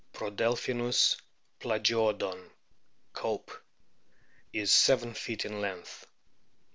Prodelphinus plagiodon, Cope,* is seven feet in length.